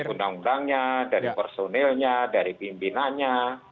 undang undangnya dari personilnya dari pimpinannya